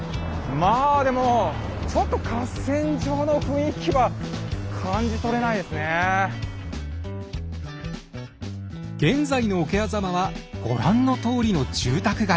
まあでもちょっと現在の桶狭間はご覧のとおりの住宅街。